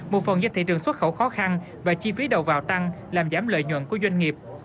một phần do thị trường xuất khẩu khó khăn và chi phí đầu vào tăng làm giảm lợi nhuận của doanh nghiệp